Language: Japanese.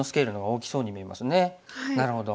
なるほど。